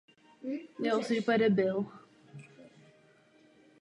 Ceně se začalo o rok později říkat „Mlok za zásluhy“.